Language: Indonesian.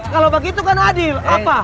kalau begitu kan adil apa